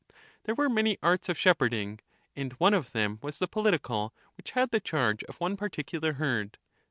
There were many arts of shepherding, and one of them was the political, which had the charge of one particular herd?